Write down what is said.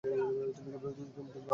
তুমি কি আমার ভাইকে ভালোবাসো?